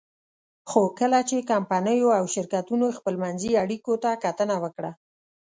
خو کله چې کمپنیو او شرکتونو خپلمنځي اړیکو ته کتنه وکړه.